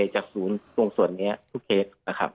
จากศูนย์ตรงส่วนนี้ทุกเคสนะครับ